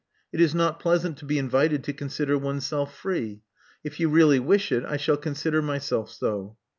It is not pleasant to be invited to consider oneself free. If you really wish it, I shall consider myself so."